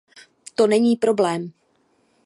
To není problém.